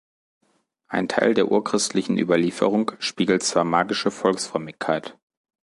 Ein Teil der urchristlichen Überlieferung spiegelt zwar magische Volksfrömmigkeit.